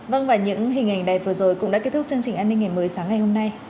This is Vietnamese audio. vâng và những hình ảnh đẹp vừa rồi cũng đã kết thúc chương trình an ninh ngày một mươi sáng ngày hôm nay